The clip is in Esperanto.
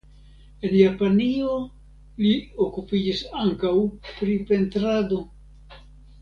En Japanio li okupiĝis ankaŭ pri pentrado.